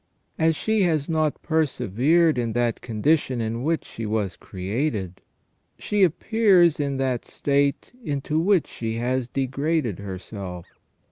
As she has not persevered in that condition in which she was created, she appears in that state into which she has degraded herself.